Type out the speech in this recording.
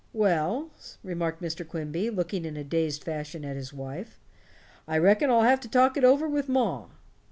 "Well," remarked Mr. Quimby, looking in a dazed fashion at his wife, "I reckon I'll have to talk it over with ma."